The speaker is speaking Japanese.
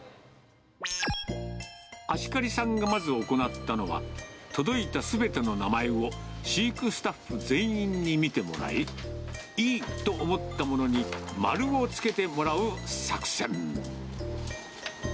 芦刈さんがまず、行ったのは、届いたすべての名前を、飼育スタッフ全員に見てもらい、いいと思ったものに丸をつけてもらう作戦。